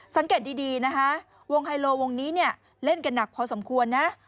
สังเกตดีนะคะวงไฮโลวงนี้เนี่ยเล่นกันหนักพอสมควรนะ